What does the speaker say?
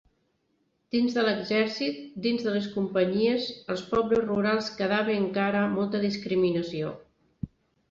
Dins de l'exèrcit, dins de les companyies, als pobles rurals quedava encara molta discriminació.